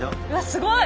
すごい！